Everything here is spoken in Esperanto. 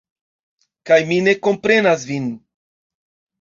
Kaj mi ne komprenas vin.